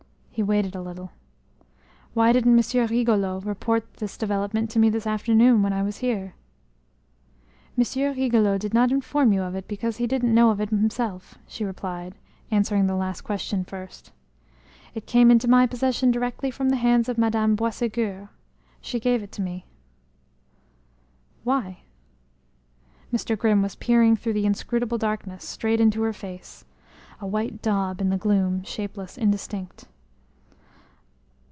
He waited a little. "Why didn't Monsieur Rigolot report this development to me this afternoon when I was here?" "Monsieur Rigolot did not inform you of it because he didn't know of it himself," she replied, answering the last question first. "It came into my possession directly from the hands of Madame Boisségur she gave it to me." "Why?" Mr. Grimm was peering through the inscrutable darkness, straight into her face a white daub in the gloom, shapeless, indistinct.